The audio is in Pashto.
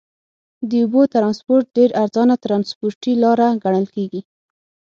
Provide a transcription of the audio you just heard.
د اوبو ترانسپورت ډېر ارزانه ترنسپورټي لاره ګڼل کیږي.